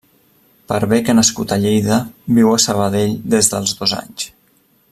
Per bé que nascut a Lleida, viu a Sabadell des dels dos anys.